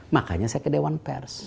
makanya saya ke dewan pers